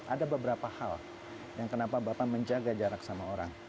ada beberapa hal yang kenapa bapak menjaga jarak sama orang